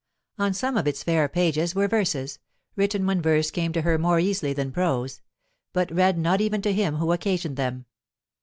On some of its fair pages were verses, written when verse came to her more easily than prose, but read not even to him who occasioned them.